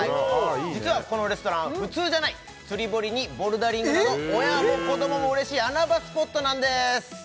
実はこのレストラン普通じゃない釣堀にボルダリングなど親も子どもも嬉しい穴場スポットなんです